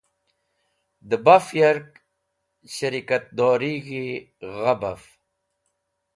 Dẽ baf yark shrikatdorig̃h gha baf.